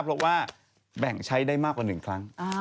เพราะว่าแบ่งใช้ได้มากกว่า๑ครั้ง